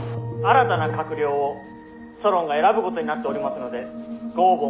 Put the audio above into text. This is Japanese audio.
「新たな閣僚をソロンが選ぶことになっておりますのでご応募